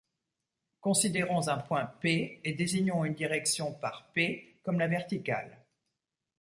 Considérons un point P et désignons une direction par P comme la verticale.